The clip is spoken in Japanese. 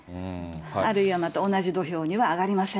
あるいはまた同じ土俵には上がりません。